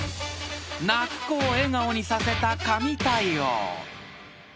［泣く子を笑顔にさせた神対応］